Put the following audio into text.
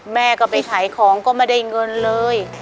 แม่ก็ไปขายของก็ไม่ได้เงินเลย